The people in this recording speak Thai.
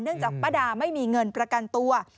เนื่องจากป้าด่าไม่มีเงินประกันตัว